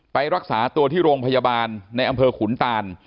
ไปรักษาตัวที่โรงพยาบาลในอำเภอขุนตาน